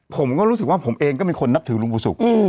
ผมก็รู้สึกว่าผมเองก็เป็นคนนับถือลุงกุศุกร์